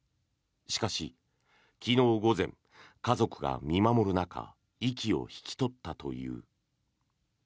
しかし、昨日午前家族が見守る中息を引き取ったという。